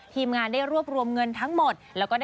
ทีมงานได้รวบรวมเงินทั้งหมด